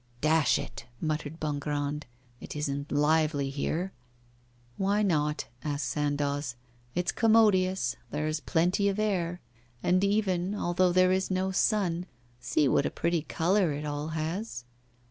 'Dash it!' muttered Bongrand, 'it isn't lively here.' 'Why not?' asked Sandoz. 'It's commodious; there is plenty of air. And even although there is no sun, see what a pretty colour it all has.